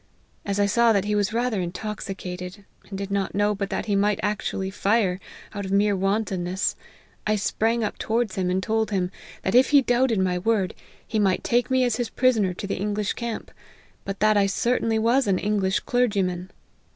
As I saw that he was rather in toxicated, and did not know but that he might ac tually fire, out of mere wantonness, I sprang up towards him, and told him, that if he doubted my word, he might take me as his prisoner to the English camp, but that I certainly was an Eng lish clergyman.